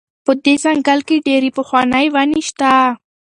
په دې ځنګل کې ډېرې پخوانۍ ونې شته.